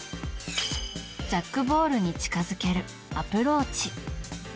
ジャックボールに近づけるアプローチ。